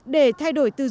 để thay đổi tương lai